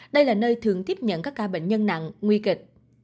đây là nơi thường tiếp nhận các ca bệnh nhân nặng nguy kịch